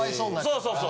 そうそうそう。